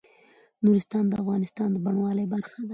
نورستان د افغانستان د بڼوالۍ برخه ده.